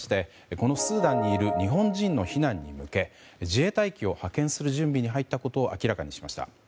このスーダンにいる日本人の避難に向け自衛隊機を派遣する準備に入ったことを明らかにしました。